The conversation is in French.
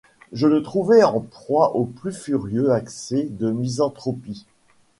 Je le trouvai en proie au plus furieux accès de misanthropie.